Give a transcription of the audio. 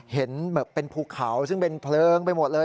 เหมือนเป็นภูเขาซึ่งเป็นเพลิงไปหมดเลย